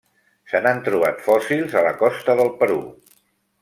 Se n'han trobat fòssils a la costa del Perú.